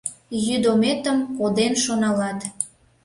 Йÿд ометым коден шоналат.